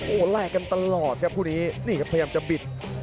โอ้โหแลกกันตลอดครับคู่นี้นี่ครับพยายามจะบิด